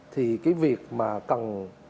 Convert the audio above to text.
thì cái việc mà cần